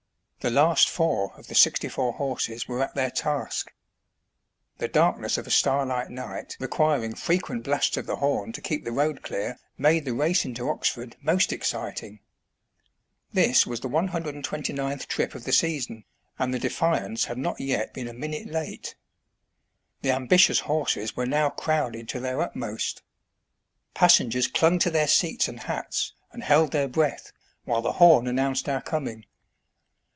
The last four of the sixty four horses were at their task. The darkness of a star light night requiring frequent blasts of the horn to keep the road clear, made the race into Oxford most exciting. This was the 129th trip of the season, and the " Defiance " had not yet been a minute late. The ambitious horses were now crowded to their utmost. Passengers clung to their seats and hats, and held their breath, while the horn announced our coming.